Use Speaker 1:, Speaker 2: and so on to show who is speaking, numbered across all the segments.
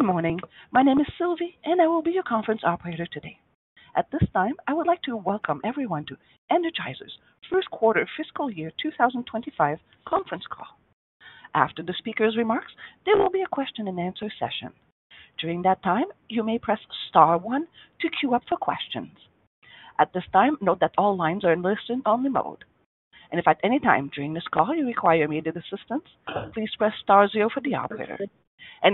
Speaker 1: Good morning. My name is Sylvie, and I will be your conference operator today. At this time, I would like to welcome everyone to Energizer's first quarter fiscal year 2025 conference call. After the speaker's remarks, there will be a question-and-answer session. During that time, you may press star one to queue up for questions. At this time, note that all lines are in listen-only mode. If at any time during this call you require immediate assistance, please press star zero for the operator.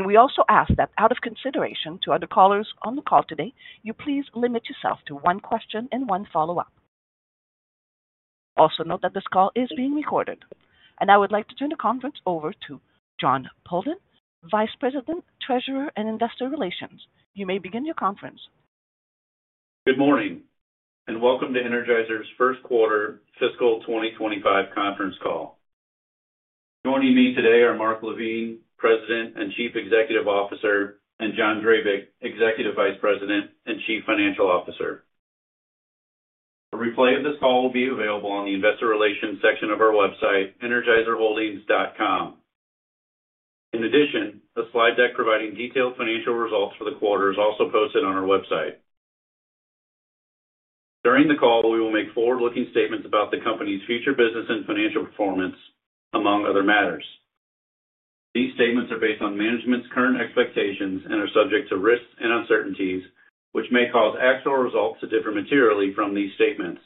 Speaker 1: We also ask that out of consideration to other callers on the call today, you please limit yourself to one question and one follow-up. Also note that this call is being recorded. I would like to turn the conference over to Jon Poldan, Vice President, Treasurer, and Investor Relations. You may begin your conference.
Speaker 2: Good morning and welcome to Energizer's first quarter fiscal 2025 conference call. Joining me today are Mark LaVigne, President and Chief Executive Officer, and John Drabik, Executive Vice President and Chief Financial Officer. A replay of this call will be available on the Investor Relations section of our website, energizerholdings.com. In addition, a slide deck providing detailed financial results for the quarter is also posted on our website. During the call, we will make forward-looking statements about the company's future business and financial performance, among other matters. These statements are based on management's current expectations and are subject to risks and uncertainties, which may cause actual results to differ materially from these statements.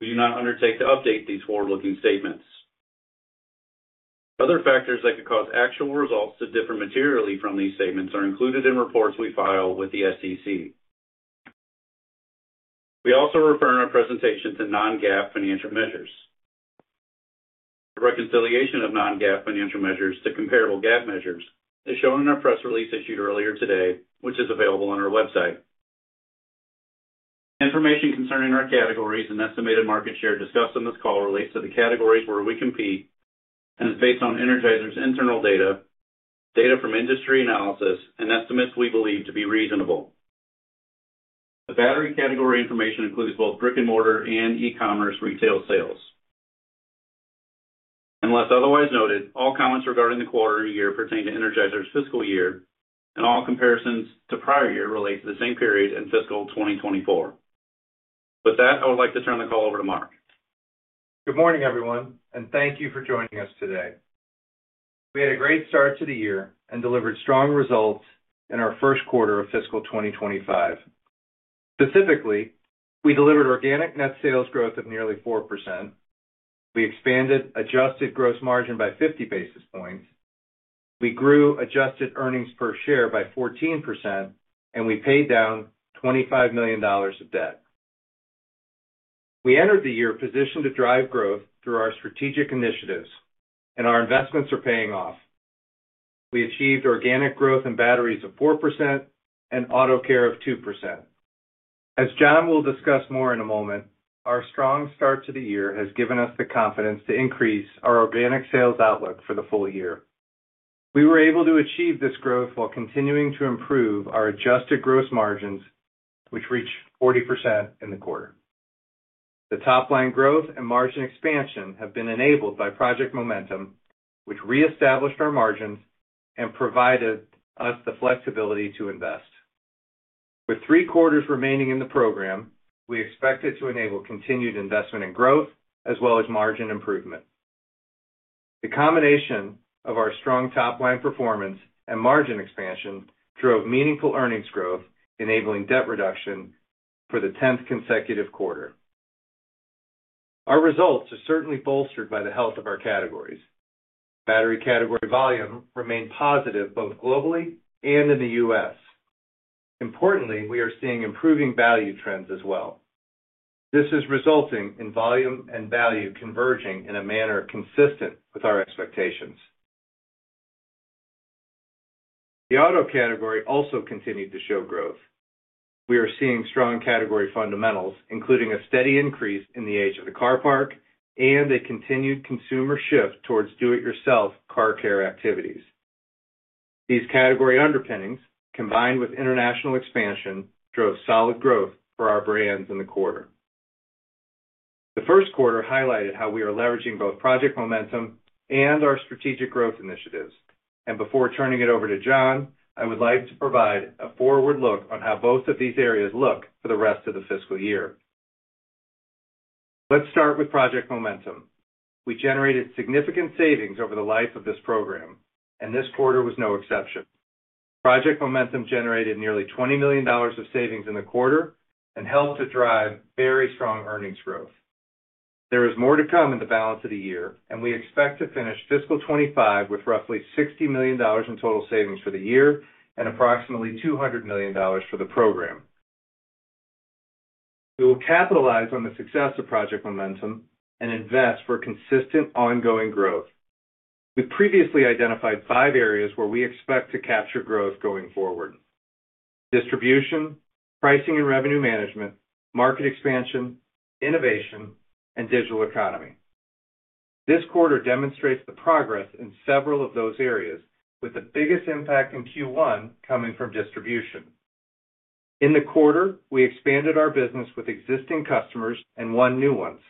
Speaker 2: We do not undertake to update these forward-looking statements. Other factors that could cause actual results to differ materially from these statements are included in reports we file with the SEC. We also refer in our presentation to non-GAAP financial measures. The reconciliation of non-GAAP financial measures to comparable GAAP measures is shown in our press release issued earlier today, which is available on our website. Information concerning our categories and estimated market share discussed in this call relates to the categories where we compete and is based on Energizer's internal data, data from industry analysis, and estimates we believe to be reasonable. The battery category information includes both brick-and-mortar and e-commerce retail sales. Unless otherwise noted, all comments regarding the quarter and year pertain to Energizer's fiscal year, and all comparisons to prior year relate to the same period in fiscal 2024. With that, I would like to turn the call over to Mark.
Speaker 3: Good morning, everyone, and thank you for joining us today. We had a great start to the year and delivered strong results in our first quarter of fiscal 2025. Specifically, we delivered organic net sales growth of nearly 4%. We expanded adjusted gross margin by 50 basis points. We grew adjusted earnings per share by 14%, and we paid down $25 million of debt. We entered the year positioned to drive growth through our strategic initiatives, and our investments are paying off. We achieved organic growth in batteries of 4% and auto care of 2%. As John will discuss more in a moment, our strong start to the year has given us the confidence to increase our organic sales outlook for the full year. We were able to achieve this growth while continuing to improve our adjusted gross margins, which reached 40% in the quarter. The top-line growth and margin expansion have been enabled by Project Momentum, which reestablished our margins and provided us the flexibility to invest. With three quarters remaining in the program, we expect it to enable continued investment and growth, as well as margin improvement. The combination of our strong top-line performance and margin expansion drove meaningful earnings growth, enabling debt reduction for the 10th consecutive quarter. Our results are certainly bolstered by the health of our categories. Battery category volume remained positive both globally and in the U.S. Importantly, we are seeing improving value trends as well. This is resulting in volume and value converging in a manner consistent with our expectations. The auto category also continued to show growth. We are seeing strong category fundamentals, including a steady increase in the age of the car park and a continued consumer shift towards do-it-yourself car care activities. These category underpinnings, combined with international expansion, drove solid growth for our brands in the quarter. The first quarter highlighted how we are leveraging both Project Momentum and our strategic growth initiatives, and before turning it over to John, I would like to provide a forward look on how both of these areas look for the rest of the fiscal year. Let's start with Project Momentum. We generated significant savings over the life of this program, and this quarter was no exception. Project Momentum generated nearly $20 million of savings in the quarter and helped to drive very strong earnings growth. There is more to come in the balance of the year, and we expect to finish fiscal 2025 with roughly $60 million in total savings for the year and approximately $200 million for the program. We will capitalize on the success of Project Momentum and invest for consistent ongoing growth. We previously identified five areas where we expect to capture growth going forward: distribution, pricing and revenue management, market expansion, innovation, and digital economy. This quarter demonstrates the progress in several of those areas, with the biggest impact in Q1 coming from distribution. In the quarter, we expanded our business with existing customers and won new ones.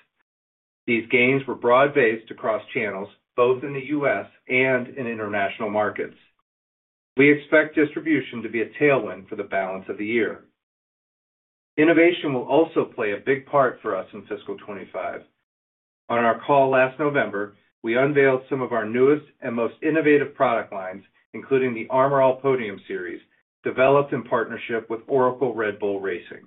Speaker 3: These gains were broad-based across channels, both in the U.S. and in international markets. We expect distribution to be a tailwind for the balance of the year. Innovation will also play a big part for us in fiscal 2025. On our call last November, we unveiled some of our newest and most innovative product lines, including the Armor All Podium Series, developed in partnership with Oracle Red Bull Racing.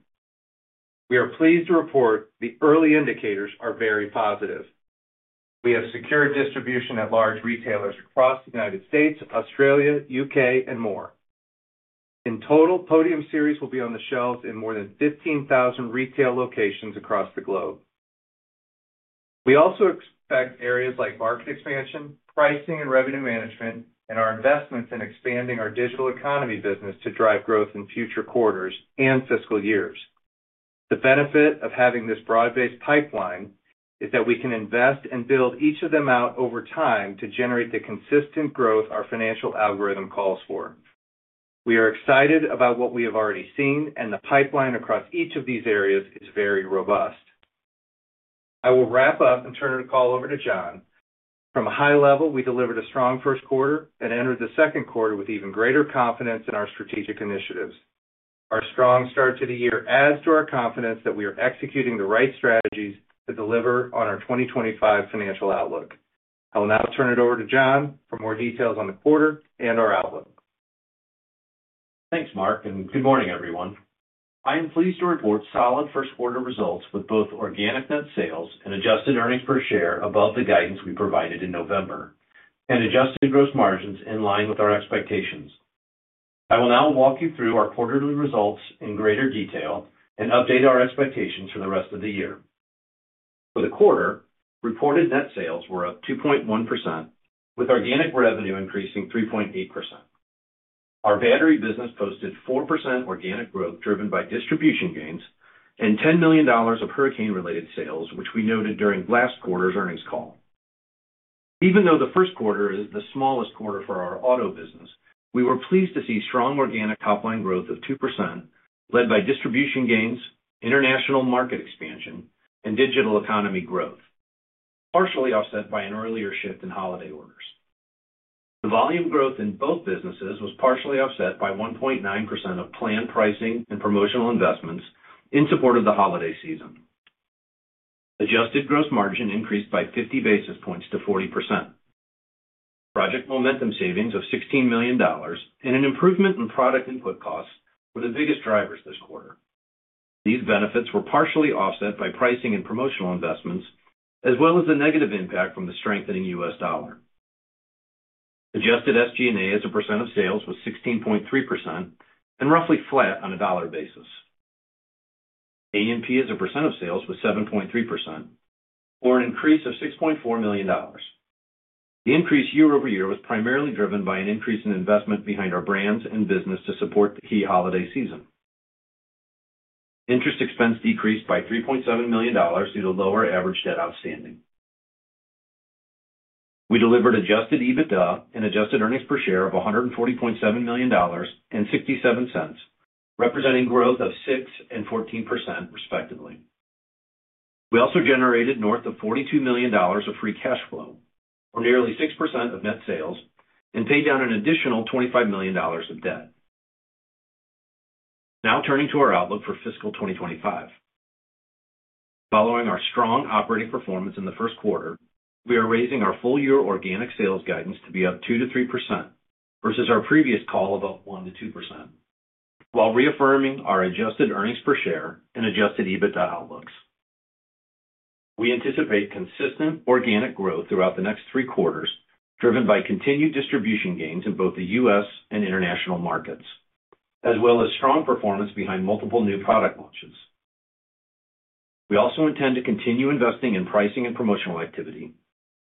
Speaker 3: We are pleased to report the early indicators are very positive. We have secured distribution at large retailers across the United States, Australia, U.K., and more. In total, Podium Series will be on the shelves in more than 15,000 retail locations across the globe. We also expect areas like market expansion, pricing and revenue management, and our investments in expanding our digital economy business to drive growth in future quarters and fiscal years. The benefit of having this broad-based pipeline is that we can invest and build each of them out over time to generate the consistent growth our financial algorithm calls for. We are excited about what we have already seen, and the pipeline across each of these areas is very robust. I will wrap up and turn the call over to John. From a high level, we delivered a strong first quarter and entered the second quarter with even greater confidence in our strategic initiatives. Our strong start to the year adds to our confidence that we are executing the right strategies to deliver on our 2025 financial outlook. I will now turn it over to John for more details on the quarter and our outlook.
Speaker 4: Thanks, Mark, and good morning, everyone. I am pleased to report solid first quarter results with both organic net sales and adjusted earnings per share above the guidance we provided in November, and adjusted gross margins in line with our expectations. I will now walk you through our quarterly results in greater detail and update our expectations for the rest of the year. For the quarter, reported net sales were up 2.1%, with organic revenue increasing 3.8%. Our battery business posted 4% organic growth driven by distribution gains and $10 million of hurricane-related sales, which we noted during last quarter's earnings call. Even though the first quarter is the smallest quarter for our auto business, we were pleased to see strong organic top-line growth of 2%, led by distribution gains, international market expansion, and digital economy growth, partially offset by an earlier shift in holiday orders. The volume growth in both businesses was partially offset by 1.9% of planned pricing and promotional investments in support of the holiday season. Adjusted gross margin increased by 50 basis points to 40%. Project Momentum savings of $16 million and an improvement in product input costs were the biggest drivers this quarter. These benefits were partially offset by pricing and promotional investments, as well as the negative impact from the strengthening U.S. dollar. Adjusted SG&A as a percent of sales was 16.3% and roughly flat on a dollar basis. A&P as a percent of sales was 7.3%, for an increase of $6.4 million. The increase year over year was primarily driven by an increase in investment behind our brands and business to support the key holiday season. Interest expense decreased by $3.7 million due to lower average debt outstanding. We delivered adjusted EBITDA and adjusted earnings per share of $140.7 million and $0.67, representing growth of 6% and 14%, respectively. We also generated north of $42 million of free cash flow, or nearly 6% of net sales, and paid down an additional $25 million of debt. Now turning to our outlook for fiscal 2025. Following our strong operating performance in the first quarter, we are raising our full-year organic sales guidance to be up 2% to 3% versus our previous call of up 1% to 2%, while reaffirming our adjusted earnings per share and adjusted EBITDA outlooks. We anticipate consistent organic growth throughout the next three quarters, driven by continued distribution gains in both the U.S. and international markets, as well as strong performance behind multiple new product launches. We also intend to continue investing in pricing and promotional activity,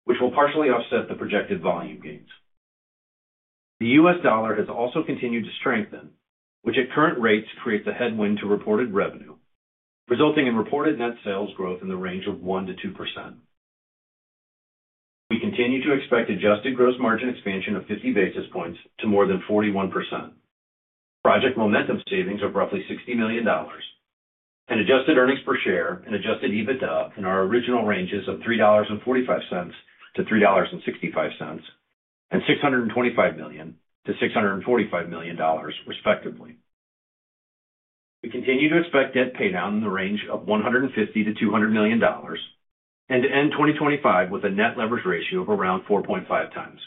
Speaker 4: which will partially offset the projected volume gains. The U.S. dollar has also continued to strengthen, which at current rates creates a headwind to reported revenue, resulting in reported net sales growth in the range of 1%-2%. We continue to expect adjusted gross margin expansion of 50 basis points to more than 41%, Project Momentum savings of roughly $60 million, and adjusted earnings per share and adjusted EBITDA in our original ranges of $3.45-$3.65 and $625 million-$645 million, respectively. We continue to expect debt paydown in the range of $150 million-$200 million and to end 2025 with a net leverage ratio of around 4.5 times.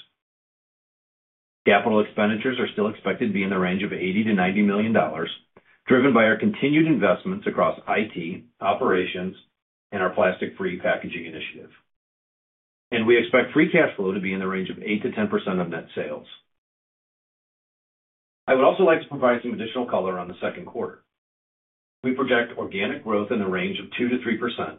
Speaker 4: Capital Expenditures are still expected to be in the range of $80 million-$90 million, driven by our continued investments across IT, operations, and our plastic-free packaging initiative. And we expect free cash flow to be in the range of 8%-10% of net sales. I would also like to provide some additional color on the second quarter. We project organic growth in the range of 2%-3%,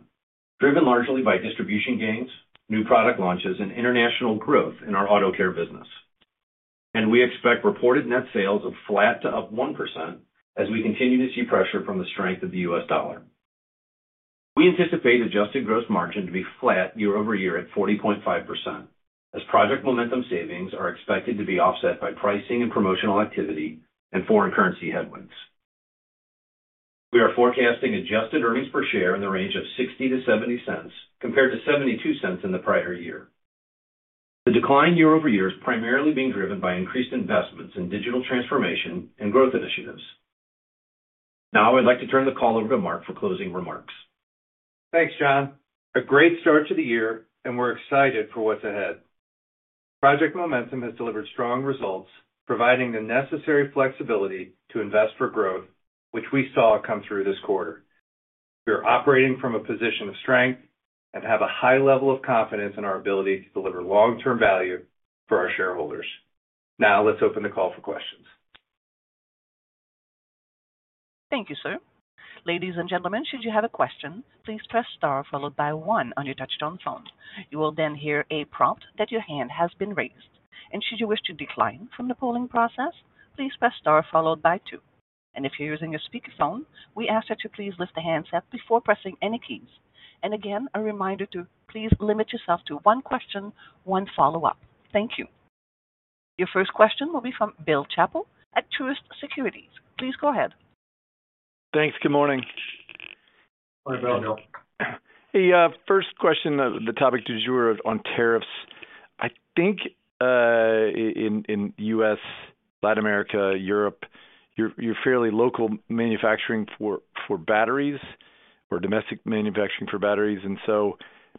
Speaker 4: driven largely by distribution gains, new product launches, and international growth in our Auto Care business. And we expect reported net sales of flat to up 1% as we continue to see pressure from the strength of the U.S. dollar. We anticipate adjusted gross margin to be flat year over year at 40.5%, as Project Momentum savings are expected to be offset by pricing and promotional activity and foreign currency headwinds. We are forecasting adjusted earnings per share in the range of $0.60-$0.70 compared to $0.72 in the prior year. The decline year over year is primarily being driven by increased investments in digital transformation and growth initiatives. Now I would like to turn the call over to Mark for closing remarks.
Speaker 3: Thanks, John. A great start to the year, and we're excited for what's ahead. Project Momentum has delivered strong results, providing the necessary flexibility to invest for growth, which we saw come through this quarter. We are operating from a position of strength and have a high level of confidence in our ability to deliver long-term value for our shareholders. Now let's open the call for questions.
Speaker 1: Thank you, sir. Ladies and gentlemen, should you have a question, please press star followed by one on your touch-tone phone. You will then hear a prompt that your hand has been raised. And should you wish to decline from the polling process, please press star followed by two. And if you're using a speakerphone, we ask that you please lift the handset up before pressing any keys. And again, a reminder to please limit yourself to one question, one follow-up. Thank you. Your first question will be from Bill Chappell at Truist Securities. Please go ahead.
Speaker 5: Thanks. Good morning.
Speaker 4: Morning, Bill.
Speaker 5: Hey, first question, the topic is you were on tariffs. I think in the U.S., Latin America, Europe, you're fairly local manufacturing for batteries or domestic manufacturing for batteries. And so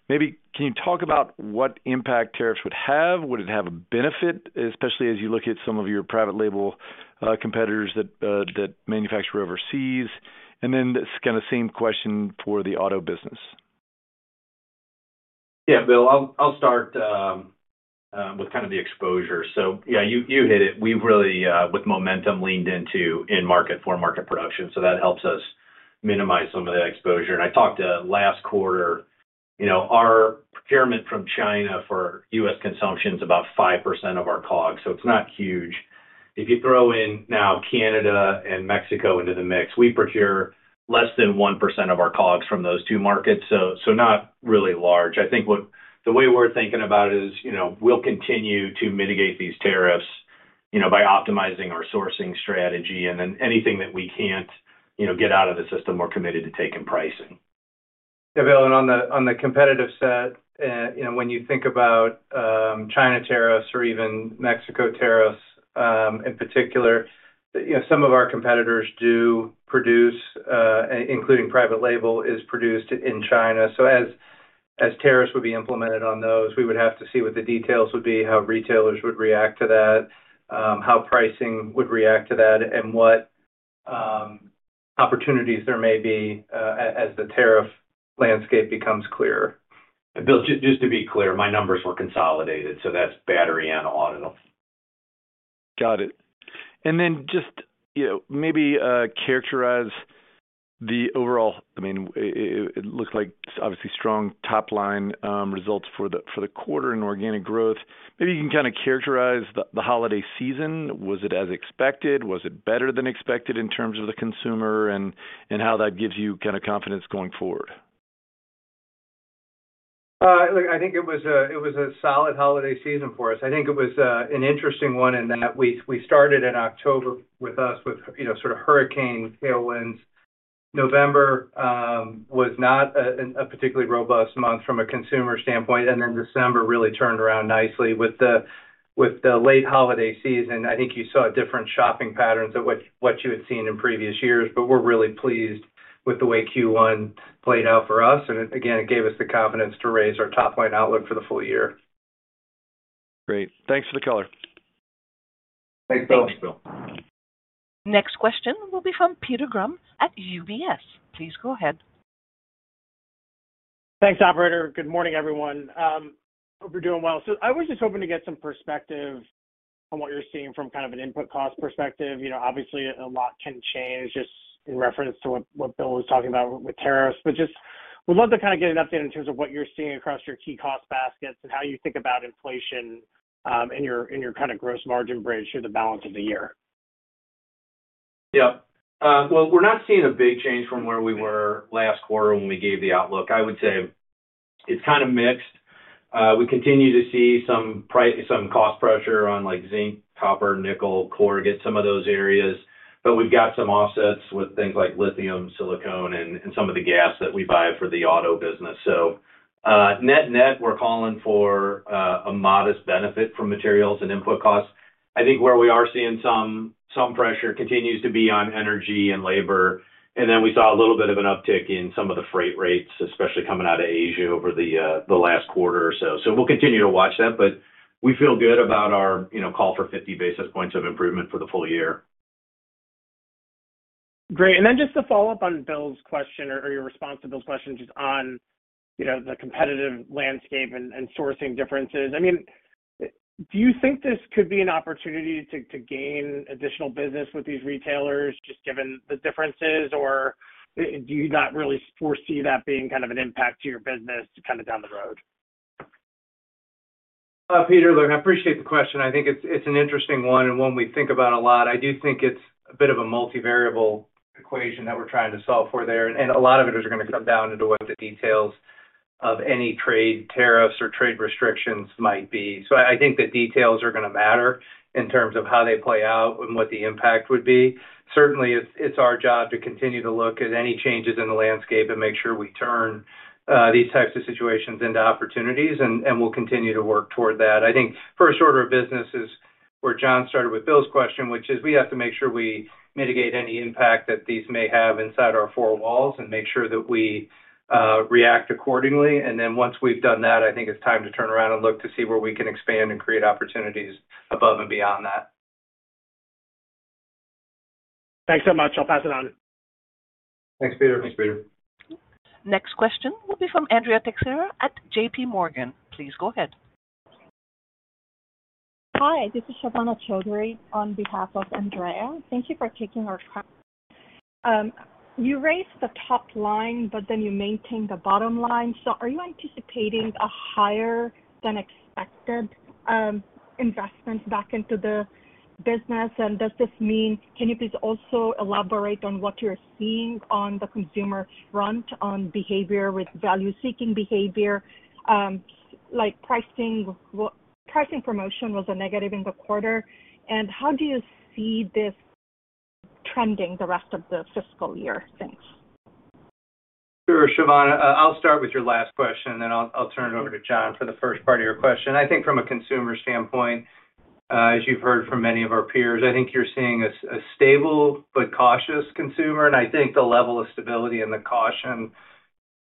Speaker 5: maybe can you talk about what impact tariffs would have? Would it have a benefit, especially as you look at some of your private label competitors that manufacture overseas? And then this is kind of the same question for the auto business.
Speaker 4: Yeah, Bill, I'll start with kind of the exposure. So yeah, you hit it. We've really, with momentum, leaned into in-market for market production. So that helps us minimize some of that exposure, and I talked last quarter, our procurement from China for U.S. consumption is about 5% of our COGS. So it's not huge. If you throw in now Canada and Mexico into the mix, we procure less than 1% of our COGS from those two markets. So not really large. I think the way we're thinking about it is we'll continue to mitigate these tariffs by optimizing our sourcing strategy, and then anything that we can't get out of the system, we're committed to taking pricing.
Speaker 3: Yeah, Bill, and on the competitive set, when you think about China tariffs or even Mexico tariffs in particular, some of our competitors do produce, including private label is produced in China. So as tariffs would be implemented on those, we would have to see what the details would be, how retailers would react to that, how pricing would react to that, and what opportunities there may be as the tariff landscape becomes clearer.
Speaker 4: And Bill, just to be clear, my numbers were consolidated. So that's battery and auto.
Speaker 5: Got it. And then just maybe characterize the overall, I mean, it looks like obviously strong top-line results for the quarter and organic growth. Maybe you can kind of characterize the holiday season. Was it as expected? Was it better than expected in terms of the consumer and how that gives you kind of confidence going forward?
Speaker 3: Look, I think it was a solid holiday season for us. I think it was an interesting one in that we started in October with sort of hurricane tailwinds. November was not a particularly robust month from a consumer standpoint, and then December really turned around nicely with the late holiday season. I think you saw different shopping patterns of what you had seen in previous years, but we're really pleased with the way Q1 played out for us, and again, it gave us the confidence to raise our top-line outlook for the full year.
Speaker 5: Great. Thanks for the color.
Speaker 3: Thanks, Bill.
Speaker 4: Thanks, Bill.
Speaker 1: Next question will be from Peter Grom at UBS. Please go ahead.
Speaker 6: Thanks, operator. Good morning, everyone. Hope you're doing well. So I was just hoping to get some perspective on what you're seeing from kind of an input cost perspective. Obviously, a lot can change just in reference to what Bill was talking about with tariffs. But just would love to kind of get an update in terms of what you're seeing across your key cost baskets and how you think about inflation and your kind of gross margin bridge through the balance of the year.
Speaker 4: Yep. Well, we're not seeing a big change from where we were last quarter when we gave the outlook. I would say it's kind of mixed. We continue to see some cost pressure on zinc, copper, nickel, corrugate, some of those areas. But we've got some offsets with things like lithium, silicone, and some of the gas that we buy for the auto business. So net net, we're calling for a modest benefit from materials and input costs. I think where we are seeing some pressure continues to be on energy and labor. And then we saw a little bit of an uptick in some of the freight rates, especially coming out of Asia over the last quarter or so. So we'll continue to watch that. But we feel good about our call for 50 basis points of improvement for the full year.
Speaker 6: Great. And then just to follow up on Bill's question or your response to Bill's question just on the competitive landscape and sourcing differences. I mean, do you think this could be an opportunity to gain additional business with these retailers just given the differences? Or do you not really foresee that being kind of an impact to your business kind of down the road?
Speaker 3: Peter, I appreciate the question. I think it's an interesting one and one we think about a lot. I do think it's a bit of a multivariable equation that we're trying to solve for there, and a lot of it is going to come down into what the details of any trade tariffs or trade restrictions might be, so I think the details are going to matter in terms of how they play out and what the impact would be. Certainly, it's our job to continue to look at any changes in the landscape and make sure we turn these types of situations into opportunities, and we'll continue to work toward that. I think first order of business is where John started with Bill's question, which is we have to make sure we mitigate any impact that these may have inside our four walls and make sure that we react accordingly, and then once we've done that, I think it's time to turn around and look to see where we can expand and create opportunities above and beyond that.
Speaker 6: Thanks so much. I'll pass it on.
Speaker 3: Thanks, Peter.
Speaker 4: Thanks, Peter.
Speaker 1: Next question will be from Andrea Teixeira at JPMorgan. Please go ahead.
Speaker 7: Hi, this is Shovana Chowdhury on behalf of Andrea. Thank you for taking our call. You raised the top line, but then you maintained the bottom line. So are you anticipating a higher-than-expected investment back into the business? And does this mean can you please also elaborate on what you're seeing on the consumer front on behavior with value-seeking behavior? Like pricing promotion was a negative in the quarter. And how do you see this trending the rest of the fiscal year? Thanks.
Speaker 3: Sure, Shovana. I'll start with your last question, and then I'll turn it over to John for the first part of your question. I think from a consumer standpoint, as you've heard from many of our peers, I think you're seeing a stable but cautious consumer. And I think the level of stability and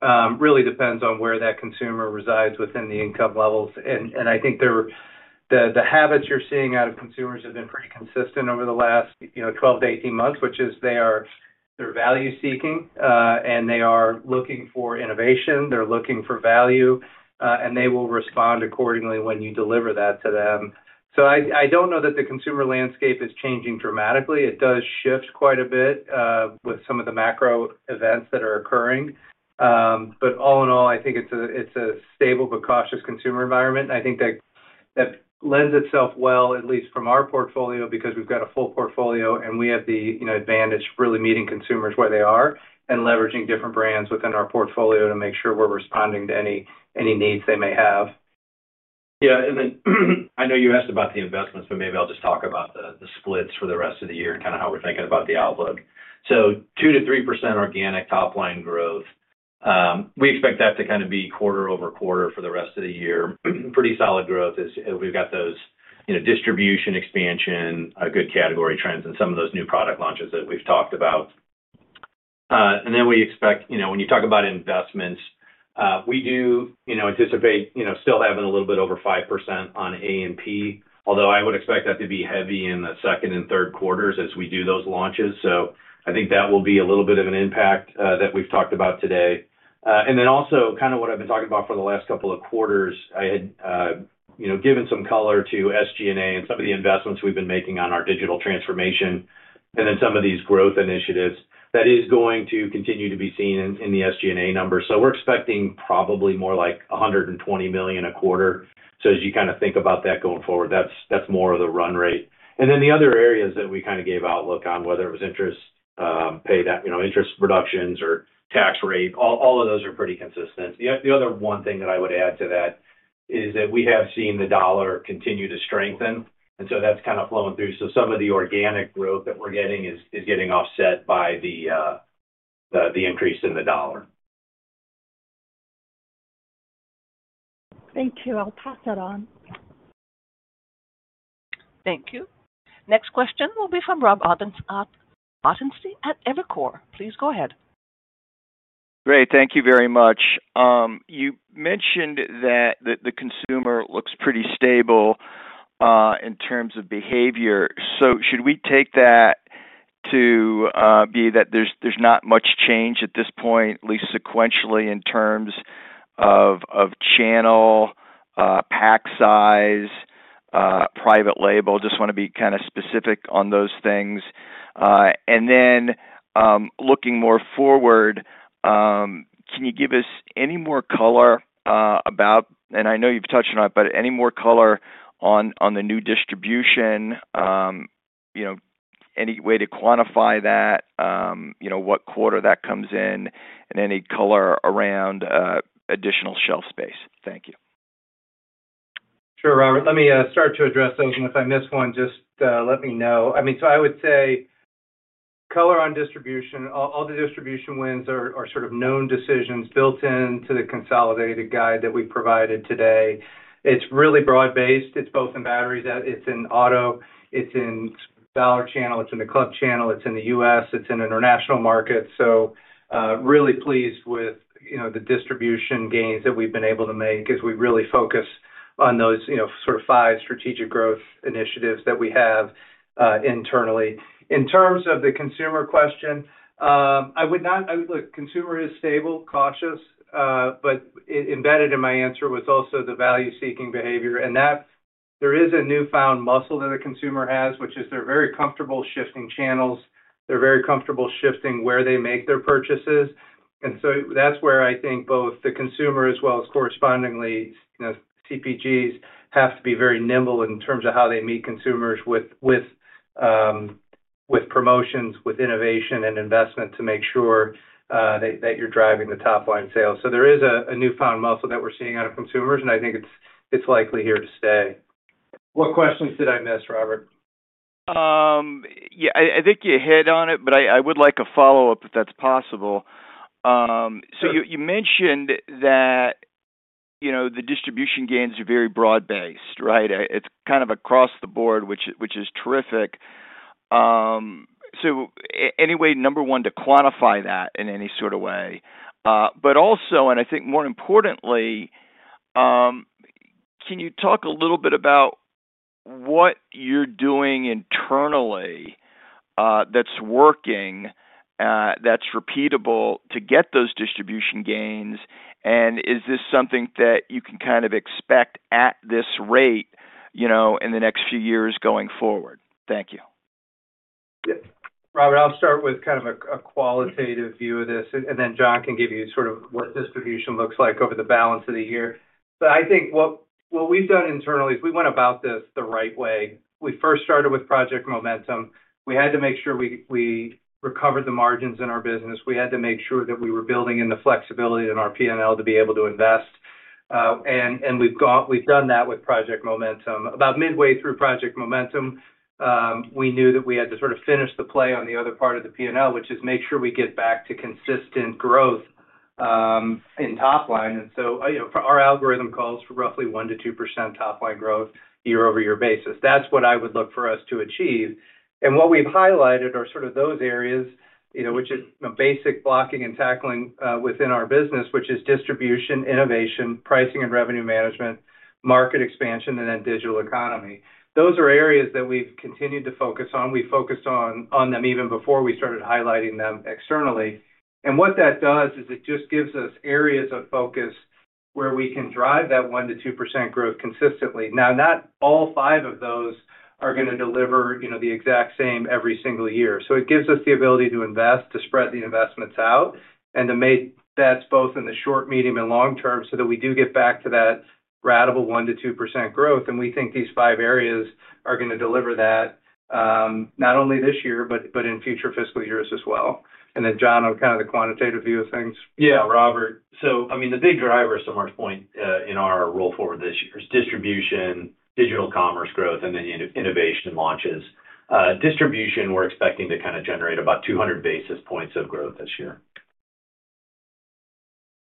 Speaker 3: the caution really depends on where that consumer resides within the income levels. And I think the habits you're seeing out of consumers have been pretty consistent over the last 12-18 months, which is they are value-seeking and they are looking for innovation. They're looking for value, and they will respond accordingly when you deliver that to them. So I don't know that the consumer landscape is changing dramatically. It does shift quite a bit with some of the macro events that are occurring. But all in all, I think it's a stable but cautious consumer environment. And I think that lends itself well, at least from our portfolio, because we've got a full portfolio and we have the advantage of really meeting consumers where they are and leveraging different brands within our portfolio to make sure we're responding to any needs they may have.
Speaker 4: Yeah. And then I know you asked about the investments, but maybe I'll just talk about the splits for the rest of the year and kind of how we're thinking about the outlook. So 2%-3% organic top-line growth. We expect that to kind of be quarter over quarter for the rest of the year. Pretty solid growth as we've got those distribution expansion, good category trends, and some of those new product launches that we've talked about. And then we expect when you talk about investments, we do anticipate still having a little bit over 5% on A&P, although I would expect that to be heavy in the second and third quarters as we do those launches. So I think that will be a little bit of an impact that we've talked about today. And then also kind of what I've been talking about for the last couple of quarters, I had given some color to SG&A and some of the investments we've been making on our digital transformation and then some of these growth initiatives that is going to continue to be seen in the SG&A numbers. So we're expecting probably more like $120 million a quarter. So as you kind of think about that going forward, that's more of the run rate. And then the other areas that we kind of gave outlook on, whether it was interest payback, interest reductions, or tax rate, all of those are pretty consistent. The other one thing that I would add to that is that we have seen the dollar continue to strengthen. And so that's kind of flowing through. Some of the organic growth that we're getting is getting offset by the increase in the dollar.
Speaker 7: Thank you. I'll pass that on.
Speaker 1: Thank you. Next question will be from Rob Ottenstein at Evercore. Please go ahead.
Speaker 8: Great. Thank you very much. You mentioned that the consumer looks pretty stable in terms of behavior. So should we take that to be that there's not much change at this point, at least sequentially in terms of channel, pack size, private label? Just want to be kind of specific on those things. And then looking more forward, can you give us any more color about, and I know you've touched on it, but any more color on the new distribution? Any way to quantify that? What quarter that comes in? And any color around additional shelf space? Thank you.
Speaker 3: Sure, Robert. Let me start to address those, and if I miss one, just let me know. I mean, so I would say color on distribution, all the distribution wins are sort of known decisions built into the consolidated guide that we provided today. It's really broad-based. It's both in batteries. It's in auto. It's in dollar channel. It's in the club channel. It's in the U.S. It's in international markets, so really pleased with the distribution gains that we've been able to make as we really focus on those sort of five strategic growth initiatives that we have internally. In terms of the consumer question, I would not look at consumer as stable, cautious, but embedded in my answer was also the value-seeking behavior, and there is a newfound muscle that the consumer has, which is they're very comfortable shifting channels. They're very comfortable shifting where they make their purchases, and so that's where I think both the consumer as well as correspondingly CPGs have to be very nimble in terms of how they meet consumers with promotions, with innovation, and investment to make sure that you're driving the top-line sales, so there is a newfound muscle that we're seeing out of consumers, and I think it's likely here to stay. What questions did I miss, Robert?
Speaker 8: Yeah. I think you hit on it, but I would like a follow-up if that's possible. So you mentioned that the distribution gains are very broad-based, right? It's kind of across the board, which is terrific. So anyway, number one, to quantify that in any sort of way. But also, and I think more importantly, can you talk a little bit about what you're doing internally that's working, that's repeatable to get those distribution gains? And is this something that you can kind of expect at this rate in the next few years going forward? Thank you.
Speaker 3: Yeah. Robert, I'll start with kind of a qualitative view of this, and then John can give you sort of what distribution looks like over the balance of the year, but I think what we've done internally is we went about this the right way. We first started with Project Momentum. We had to make sure we recovered the margins in our business. We had to make sure that we were building in the flexibility in our P&L to be able to invest, and we've done that with Project Momentum. About midway through Project Momentum, we knew that we had to sort of finish the play on the other part of the P&L, which is make sure we get back to consistent growth in top line, and so our algorithm calls for roughly 1%-2% top-line growth year-over-year basis. That's what I would look for us to achieve. What we've highlighted are sort of those areas, which are basic blocking and tackling within our business, which is distribution, innovation, pricing and revenue management, market expansion, and then digital economy. Those are areas that we've continued to focus on. We focused on them even before we started highlighting them externally. What that does is it just gives us areas of focus where we can drive that 1%-2% growth consistently. Now, not all five of those are going to deliver the exact same every single year. It gives us the ability to invest, to spread the investments out, and to make bets both in the short, medium, and long term so that we do get back to that radical 1%-2% growth. We think these five areas are going to deliver that not only this year, but in future fiscal years as well. And then, John, on kind of the quantitative view of things.
Speaker 4: Yeah, Robert. So I mean, the big driver, so much of our growth this year is distribution, digital commerce growth, and then innovation launches. Distribution, we're expecting to kind of generate about 200 basis points of growth this year.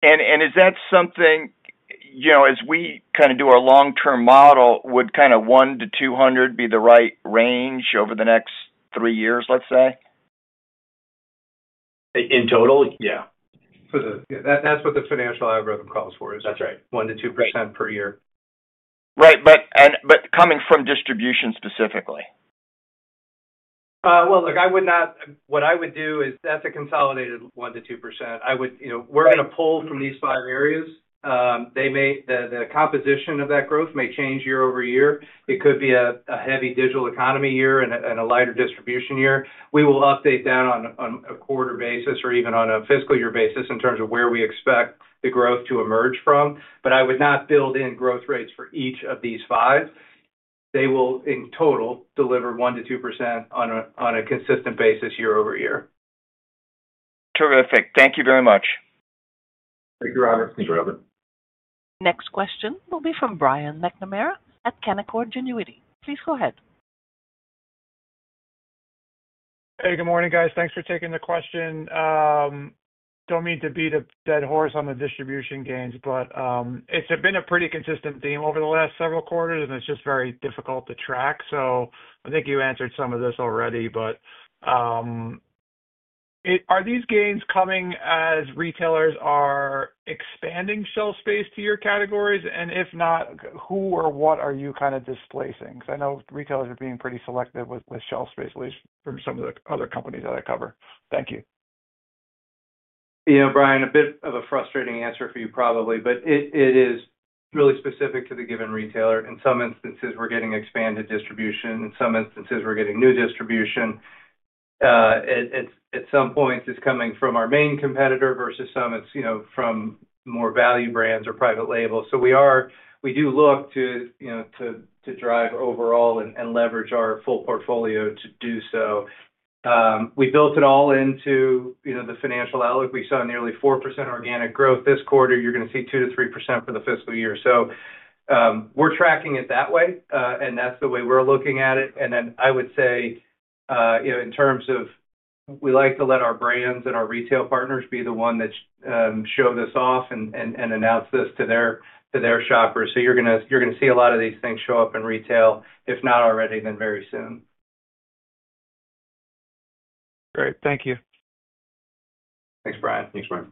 Speaker 8: Is that something, as we kind of do our long-term model, would kind of 1%-2% be the right range over the next three years, let's say?
Speaker 4: In total? Yeah. That's what the financial algorithm calls for, is 1%-2% per year.
Speaker 8: Right. But coming from distribution specifically?
Speaker 3: Look, what I would do is that's a consolidated 1%-2%. We're going to pull from these five areas. The composition of that growth may change year over year. It could be a heavy digital economy year and a lighter distribution year. We will update that on a quarter basis or even on a fiscal year basis in terms of where we expect the growth to emerge from. But I would not build in growth rates for each of these five. They will, in total, deliver 1%-2% on a consistent basis year over year.
Speaker 8: Terrific. Thank you very much.
Speaker 3: Thank you, Robert.
Speaker 4: Thank you, Robert.
Speaker 1: Next question will be from Brian McNamara at Canaccord Genuity. Please go ahead.
Speaker 9: Hey, good morning, guys. Thanks for taking the question. Don't mean to beat a dead horse on the distribution gains, but it's been a pretty consistent theme over the last several quarters, and it's just very difficult to track. So I think you answered some of this already, but are these gains coming as retailers are expanding shelf space to your categories? And if not, who or what are you kind of displacing? Because I know retailers are being pretty selective with shelf space, at least from some of the other companies that I cover. Thank you.
Speaker 3: Brian, a bit of a frustrating answer for you, probably, but it is really specific to the given retailer. In some instances, we're getting expanded distribution. In some instances, we're getting new distribution. At some points, it's coming from our main competitor versus some it's from more value brands or private label, so we do look to drive overall and leverage our full portfolio to do so. We built it all into the financial outlook. We saw nearly 4% organic growth this quarter. You're going to see 2%-3% for the fiscal year, so we're tracking it that way, and that's the way we're looking at it, and then I would say, in terms of, we like to let our brands and our retail partners be the one that show this off and announce this to their shoppers. So you're going to see a lot of these things show up in retail. If not already, then very soon.
Speaker 9: Great. Thank you.
Speaker 3: Thanks, Brian.
Speaker 4: Thanks, Brian.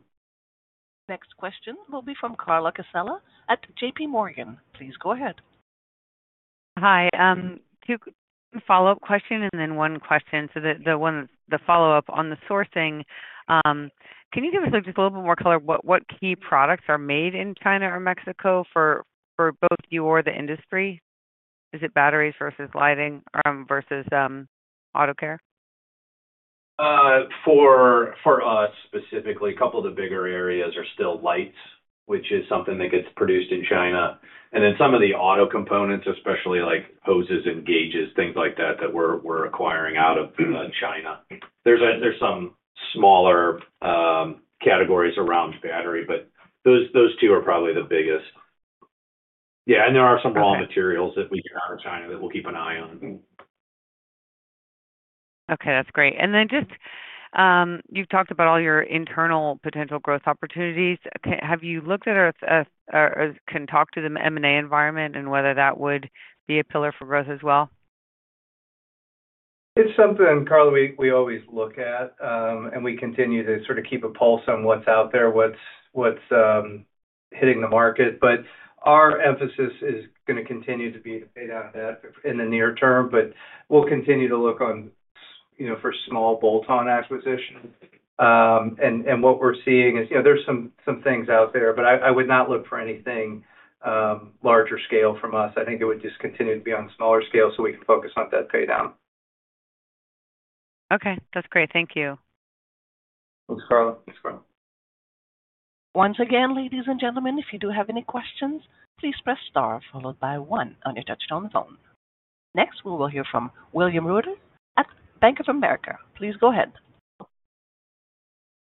Speaker 1: Next question will be from Carla Casella at JPMorgan. Please go ahead.
Speaker 10: Hi. Two follow-up questions and then one question. So the follow-up on the sourcing, can you give us just a little bit more color? What key products are made in China or Mexico for both you or the industry? Is it batteries versus lights versus auto care?
Speaker 4: For us specifically, a couple of the bigger areas are still lights, which is something that gets produced in China. And then some of the auto components, especially like hoses and gauges, things like that, that we're acquiring out of China. There's some smaller categories around battery, but those two are probably the biggest. Yeah. And there are some raw materials that we get out of China that we'll keep an eye on.
Speaker 10: Okay. That's great. And then just you've talked about all your internal potential growth opportunities. Have you looked at or can talk to the M&A environment and whether that would be a pillar for growth as well?
Speaker 3: It's something, Carla, we always look at, and we continue to sort of keep a pulse on what's out there, what's hitting the market. But our emphasis is going to continue to be to pay down debt in the near term. But we'll continue to look for small bolt-on acquisitions. And what we're seeing is there's some things out there, but I would not look for anything larger scale from us. I think it would just continue to be on smaller scale so we can focus on debt pay down.
Speaker 10: Okay. That's great. Thank you.
Speaker 3: Thanks, Carla.
Speaker 4: Thanks, Carla.
Speaker 1: Once again, ladies and gentlemen, if you do have any questions, please press star followed by one on your touch-tone phone. Next, we will hear from William Reuter at Bank of America. Please go ahead.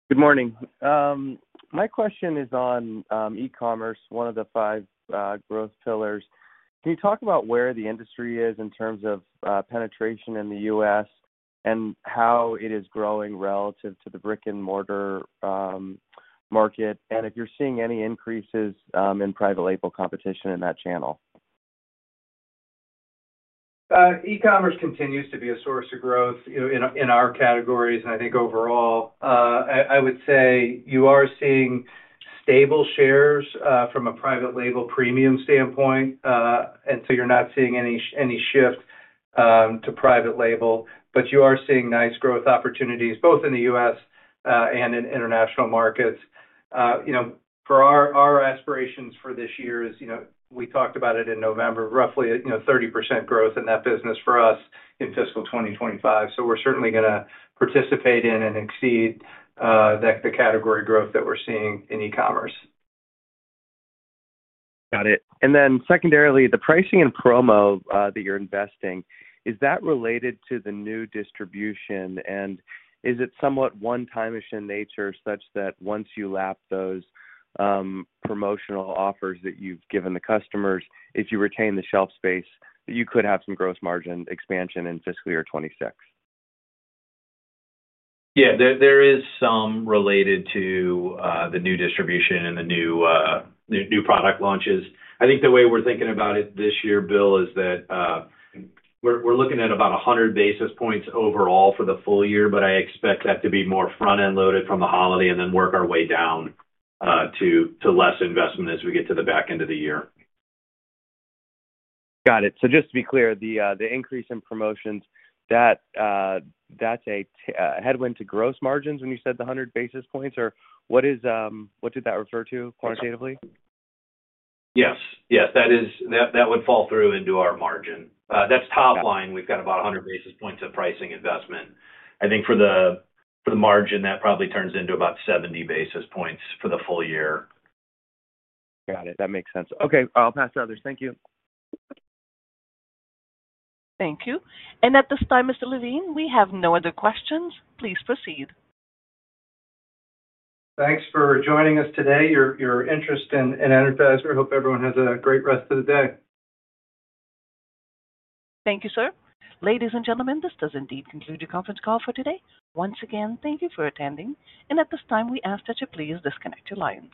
Speaker 11: Good morning. My question is on e-commerce, one of the five growth pillars. Can you talk about where the industry is in terms of penetration in the U.S. and how it is growing relative to the brick-and-mortar market, and if you're seeing any increases in private label competition in that channel?
Speaker 3: E-commerce continues to be a source of growth in our categories, and I think overall, I would say you are seeing stable shares from a private label premium standpoint, and so you're not seeing any shift to private label. But you are seeing nice growth opportunities both in the U.S. and in international markets. For our aspirations for this year, we talked about it in November, roughly 30% growth in that business for us in fiscal 2025. So we're certainly going to participate in and exceed the category growth that we're seeing in e-commerce.
Speaker 11: Got it. And then secondarily, the pricing and promo that you're investing, is that related to the new distribution? And is it somewhat one-timish in nature such that once you lap those promotional offers that you've given the customers, if you retain the shelf space, you could have some gross margin expansion in fiscal year 2026?
Speaker 4: Yeah. There is some related to the new distribution and the new product launches. I think the way we're thinking about it this year, Bill, is that we're looking at about 100 basis points overall for the full year, but I expect that to be more front-end loaded from the holiday and then work our way down to less investment as we get to the back end of the year.
Speaker 11: Got it. So just to be clear, the increase in promotions, that's a headwind to gross margins when you said the 100 basis points? Or what did that refer to quantitatively?
Speaker 4: Yes. Yes. That would fall through into our margin. That's top line. We've got about 100 basis points of pricing investment. I think for the margin, that probably turns into about 70 basis points for the full year.
Speaker 11: Got it. That makes sense. Okay. I'll pass to others. Thank you.
Speaker 1: Thank you. At this time, Mr. LaVigne, we have no other questions. Please proceed.
Speaker 3: Thanks for joining us today. Your interest in Energizer. We hope everyone has a great rest of the day.
Speaker 1: Thank you, sir. Ladies and gentlemen, this does indeed conclude your conference call for today. Once again, thank you for attending. And at this time, we ask that you please disconnect your lines.